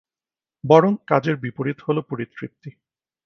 বরং, কাজের বিপরীত হল পরিতৃপ্তি।